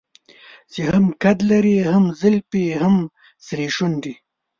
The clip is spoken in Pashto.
چې هم قد لري هم زلفې هم سرې شونډې.